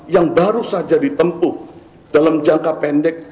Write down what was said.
yang baru saja ditempuh dalam jangka pendek